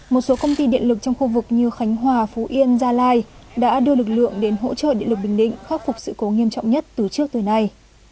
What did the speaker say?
một số công ty điện lực trong khu vực như khánh hòa phú yên gia lai đã đưa lực lượng đến hỗ trợ điện lực bình định khắc phục sự cố nghiêm trọng nhất từ trước tới nay